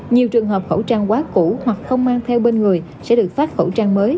nhiều trường hợp khẩu trang quá cũ hoặc không mang theo bên người sẽ được phát khẩu trang mới